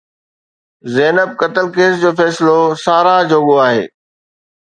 زينب قتل ڪيس جو فيصلو ساراهه جوڳو آهي